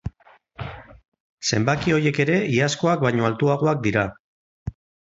Zenbaki horiek ere iazkoak baino altuagoak dira.